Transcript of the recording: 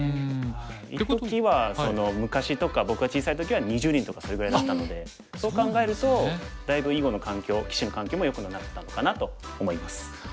一時は昔とか僕が小さい時は２０人とかそれぐらいだったのでそう考えるとだいぶ囲碁の環境棋士の環境もよくなったのかなと思います。